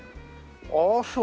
ああそう。